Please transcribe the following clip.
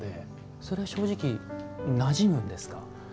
それは正直なじむんですか。